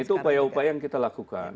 itu upaya upaya yang kita lakukan